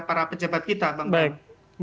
para pejabat kita bang baik